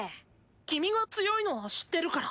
君が強いのは知ってるから。